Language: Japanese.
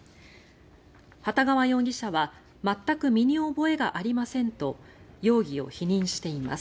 幟川容疑者は全く身に覚えがありませんと容疑を否認しています。